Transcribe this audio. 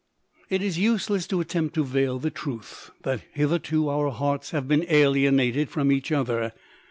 44 It is useless to attempt to veil the truth, that hitherto our hearts have been alienated from each other.